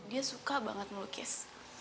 dia suka banget melukis